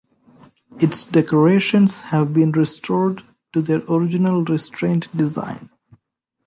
Its decorations have been restored to their original restrained design.